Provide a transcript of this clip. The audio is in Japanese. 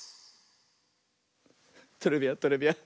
トレビアントレビアン。